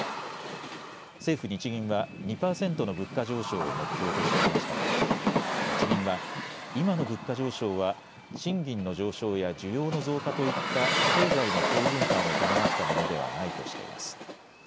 政府・日銀は２％の物価上昇を目標としてきましたが日銀は今の物価上昇は賃金の上昇や需要の増加といった経済の好循環を伴ったものではないとしています。